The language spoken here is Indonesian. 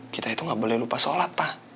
kita itu gak boleh lupa sholat pak